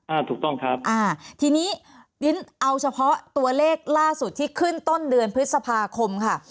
อ่าถูกต้องครับอ่าทีนี้เรียนเอาเฉพาะตัวเลขล่าสุดที่ขึ้นต้นเดือนพฤษภาคมค่ะ